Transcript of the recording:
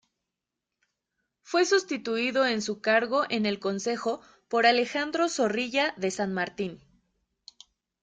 Fue sustituido en su cargo en el Consejo por Alejandro Zorrilla de San Martín.